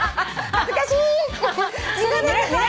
恥ずかしい！